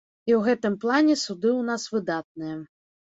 І ў гэтым плане суды ў нас выдатныя.